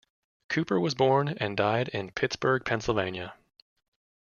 Cooper was born and died in Pittsburgh, Pennsylvania.